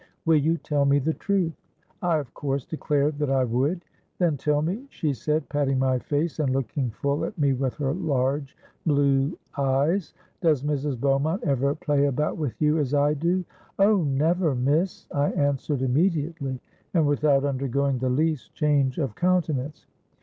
Will you tell me the truth?'—I of course declared that I would.—'Then tell me,' she said, patting my face, and looking full at me with her large blue eyes, 'does Mrs. Beaumont ever play about with you as I do?'—'Oh! never, Miss,' I answered immediately, and without undergoing the least change of countenance.